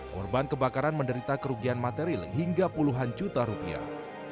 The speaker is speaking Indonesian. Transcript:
korban kebakaran menderita kerugian material hingga puluhan juta rupiah